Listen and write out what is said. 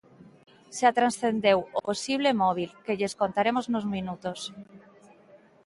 Xa transcendeu o posible móbil, que lles contaremos nuns minutos.